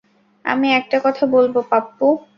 আমি একটা কথা বলবো পাপ্পু?